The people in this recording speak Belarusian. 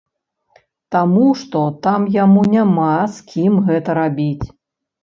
Таму што там яму няма з кім гэта рабіць.